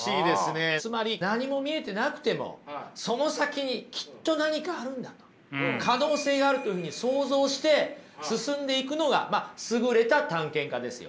つまり何も見えてなくてもその先にきっと何かあるんだと可能性があるというふうに想像して進んでいくのが優れた探検家ですよね？